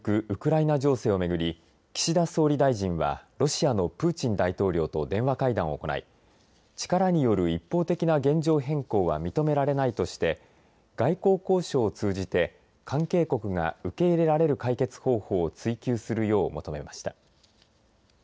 ウクライナ情勢をめぐり岸田総理大臣はロシアのプーチン大統領と電話会談を行いからによる一方的な現状変更は認められないとして外交交渉を通じて関係国が受け入れられる解決方法を追求するよう求めました。